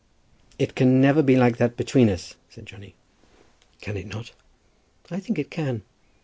] "It can never be like that between us," said Johnny. "Can it not? I think it can.